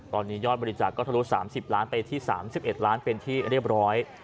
ตอนนี้ยอดบริจาคก็ทะลุ๓๐ล้านไปที่๓๑ล้านเป็นที่เรียบร้อย